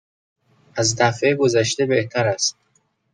از دفعه گذشته بهتر است.